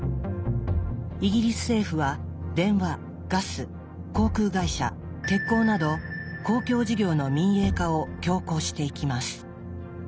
イギリス政府は電話ガス航空会社鉄鋼など公共事業の民営化を強行していきます。